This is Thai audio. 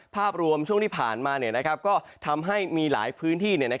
ภาพรวมช่วงที่ผ่านมาก็ทำให้มีหลายพื้นที่